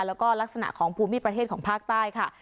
แล้วก็ลักษณะของภูมิประเทศของภาคใต้ค่ะ